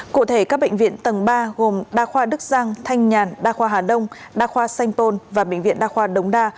cụ thể các bệnh viện tầng ba gồm đa khoa đức giang thanh nhàn đa khoa hà đông đa khoa sanh pôn và bệnh viện đa khoa đống đa